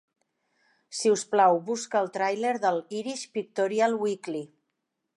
Si us plau, busca el tràiler del "Irish Pictorial Weekly".